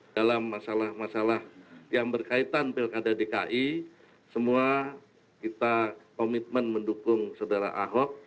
dalam masalah masalah yang berkaitan pilkada dki semua kita komitmen mendukung saudara ahok